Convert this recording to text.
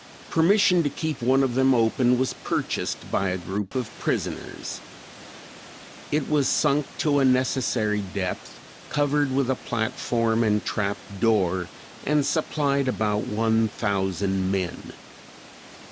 Permission to keep one of them open was purchased by a group of prisoners. It was sunk to a necessary depth, covered with a platform and trap door, and supplied about one thousand men.